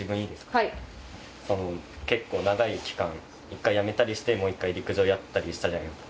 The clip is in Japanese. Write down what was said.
はい結構長い期間一回やめたりしてもう一回陸上やったりしたじゃないですか